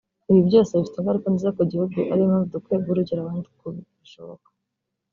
Ibi byose bifite ingaruka nziza ku gihugu ariyo mpamvu dukwiye guha urugero abandi ko bishoboka